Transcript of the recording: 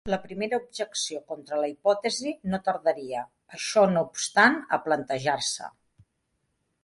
La primera objecció contra la hipòtesi no tardaria, això no obstant, a plantejar-se.